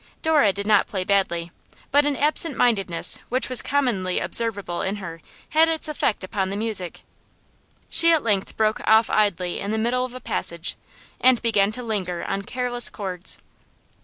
Dora did not play badly, but an absentmindedness which was commonly observable in her had its effect upon the music. She at length broke off idly in the middle of a passage, and began to linger on careless chords.